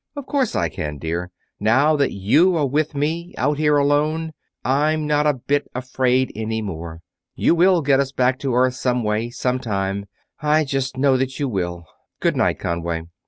"Of course I can, dear. Now that you are with me, out here alone, I'm not a bit afraid any more. You will get us back to Earth some way, sometime; I just know that you will. Good night, Conway."